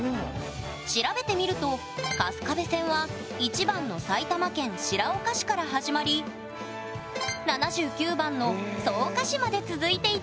調べてみると春日部線は１番の埼玉県白岡市から始まり７９番の草加市まで続いていた！